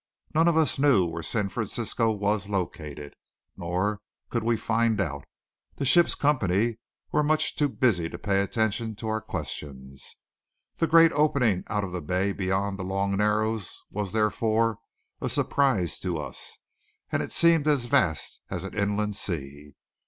None of us knew where San Francisco was located, nor could we find out. The ship's company were much too busy to pay attention to our questions. The great opening out of the bay beyond the long narrows was therefore a surprise to us; it seemed as vast as an inland sea.